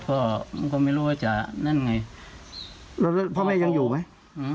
มันก็ไม่รู้ว่าจะนั่นไงแล้วพ่อแม่ยังอยู่ไหม